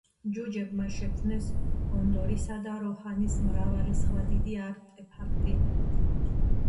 ჯუჯებმა შექმნეს გონდორისა და როჰანის მრავალი სხვა დიდი არტეფაქტი.